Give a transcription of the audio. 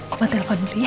oma telepon dulu ya